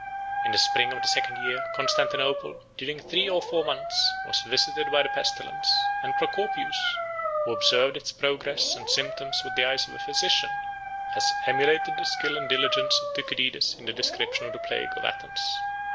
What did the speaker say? In the spring of the second year, Constantinople, during three or four months, was visited by the pestilence; and Procopius, who observed its progress and symptoms with the eyes of a physician, 89 has emulated the skill and diligence of Thucydides in the description of the plague of Athens.